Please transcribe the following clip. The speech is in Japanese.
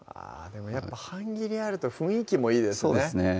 でもやっぱ半切りあると雰囲気もいいですね